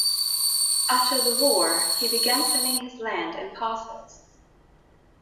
After the War, he began selling his land in parcels.